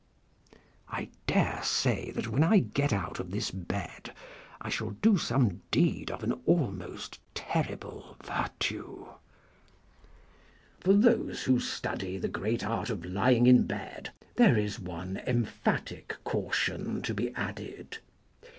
I dare say that when I get out of this bed I shall do some deed of an almost terrible virtue. For those who study the great art of lying in bed there is one emphatic caution to be added.